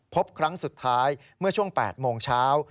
พบครั้งสุดท้ายเมื่อช่วง๘โมงเช้า